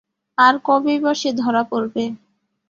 আর কবেই বা সে ধরা পড়বে?